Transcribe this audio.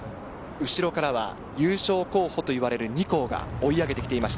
後ろからは優勝候補といわれる２校が追い上げてきていました。